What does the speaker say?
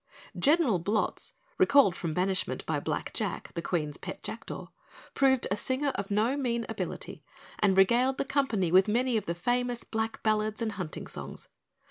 General Blotz, recalled from banishment by Blackjack, the Queen's pet Jackdaw, proved a singer of no mean ability, and regaled the company with many famous black ballads and hunting songs.